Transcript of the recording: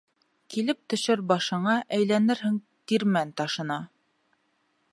Килеп төшөр башыңа, әйләнерһең тирмән ташына.